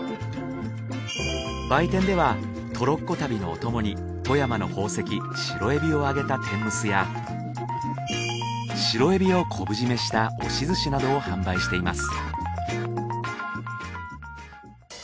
売店ではトロッコ旅のおともに富山の宝石白えびを揚げた天むすや白えびを昆布締めした押寿しなどを販売しています。